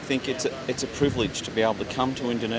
ini cukup memahami bahwa kita dihukum itu